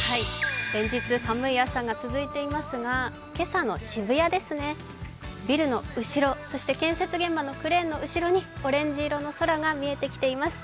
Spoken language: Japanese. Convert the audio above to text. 連日寒い朝が続いていますが、今朝の渋谷ですね、ビルの後ろ、そして建設現場のクレーンの後ろにオレンジ色の空が見えてきています。